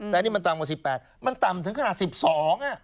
แต่นี่มันต่ำกว่า๑๘มันต่ำถึงขนาด๑๒อ่ะ